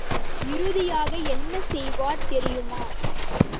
இறுதியாக என்ன செய்வார் தெரியுமா?